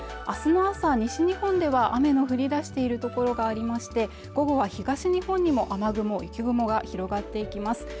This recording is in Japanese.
明日の朝は西日本では雨の降り出しているところがありまして午後は東日本にも雨雲・雪雲が広がっていきます